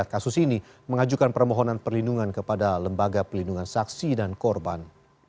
kasus ini mengajukan permohonan perlindungan kepada lembaga pelindungan saksi dan korban